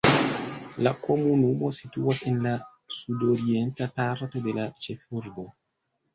La komunumo situas en la sudorienta parto de la ĉefurbo.